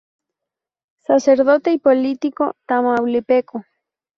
Sacerdote y político tamaulipeco.